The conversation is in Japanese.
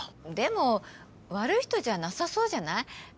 でも悪い人じゃなさそうじゃない？